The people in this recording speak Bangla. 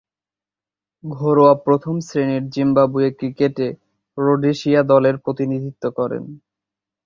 ঘরোয়া প্রথম-শ্রেণীর জিম্বাবুয়ীয় ক্রিকেটে রোডেশিয়া দলের প্রতিনিধিত্ব করেন।